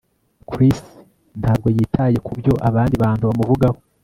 Chris ntabwo yitaye kubyo abandi bantu bamuvugaho